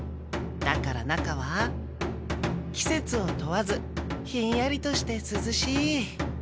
だから中はきせつを問わずひんやりとしてすずしい。